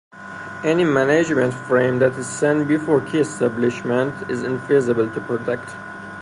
Any management frame that is sent before key establishment is infeasible to protect.